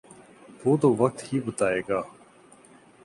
وہ تو وقت ہی بتائے گا۔